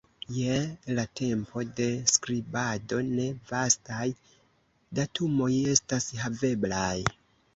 Je la tempo de skribado ne vastaj datumoj estas haveblaj.